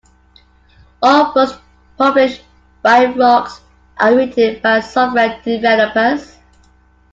All books published by Wrox are written by software developers.